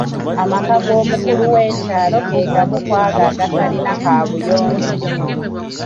Amaka g'omukulu w'ekyalo ge gamu ku ago agatalina kaabuyonjo.